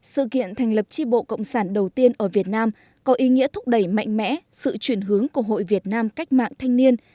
sự kiện thành lập tri bộ cộng sản đầu tiên ở việt nam có ý nghĩa thúc đẩy mạnh mẽ sự chuyển hướng của hội việt nam cách mạng thanh niên